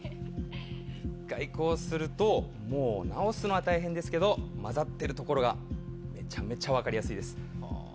一回こうすると直すのは大変ですけど交ざってる所がめちゃめちゃ分かりやすいです。